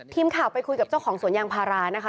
ทีมข่าวไปคุยกับเจ้าของสวนยางพารานะคะ